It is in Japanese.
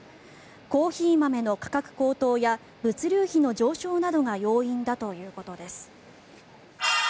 コーヒー豆の価格高騰や物流費の上昇などが要因だということです。